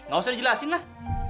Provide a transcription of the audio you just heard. gak usah dijelasin lah